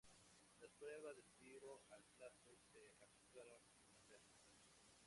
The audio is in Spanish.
Las pruebas de tiro al plato se efectuaron en Berna.